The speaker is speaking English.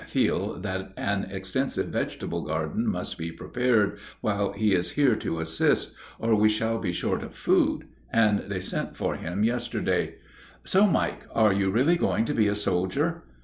feel that an extensive vegetable garden must be prepared while he is here to assist, or we shall be short of food, and they sent for him yesterday. "So, Mike, you are really going to be a soldier?"